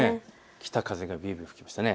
北風がびゅーびゅー吹きました。